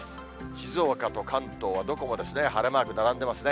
静岡と関東は、どこも晴れマーク、並んでいますね。